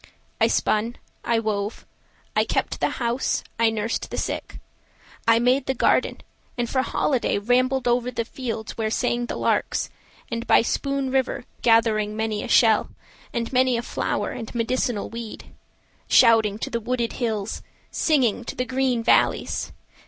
I spun, I wove, I kept the house, I nursed the sick, I made the garden, and for holiday Rambled over the fields where sang the larks, And by Spoon River gathering many a shell, And many a flower and medicinal weed— Shouting to the wooded hills, singing to the green valleys.